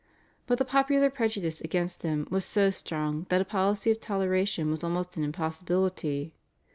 But the popular prejudice against them was so strong that a policy of toleration was almost an impossibility.